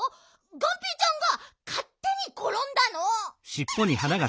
がんぺーちゃんがかってにころんだの！